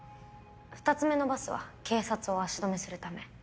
２つ目のバスは警察を足止めするため。